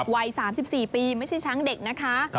วัย๓๔ปีไม่ใช่ช้างเด็กนะคะ